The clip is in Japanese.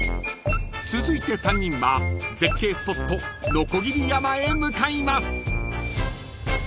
［続いて３人は絶景スポット鋸山へ向かいます］